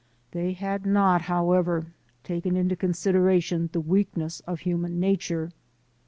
They had not, however, taken into consideration the weak ness of human nature.